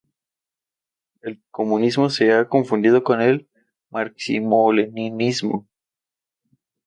El comunismo se ha confundido con el marxismo-leninismo.